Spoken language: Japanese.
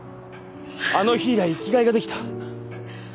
あの日以来生きがいが出来た。